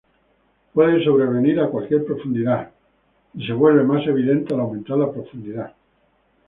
Puede sobrevenir a cualquier profundidad, y se vuelve más evidente al aumentar la profundidad.